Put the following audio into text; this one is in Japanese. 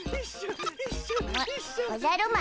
ん？おじゃる丸？